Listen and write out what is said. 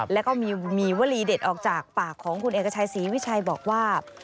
แล้วก็มีวลีเด็ดออกจากปากของคุณเอกชัยศรีวิชัยบอกว่า